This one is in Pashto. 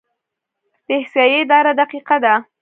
د احصایې اداره دقیقه ده؟